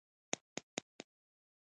دعا انسان خدای ته نژدې کوي .